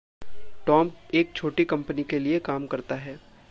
Tom एक छोटी company के लिए काम करता है |